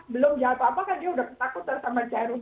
belum jatuh apa apa kan dia sudah takut sama jarum